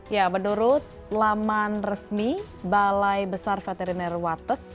ya menurut laman resmi balai besar veteriner wates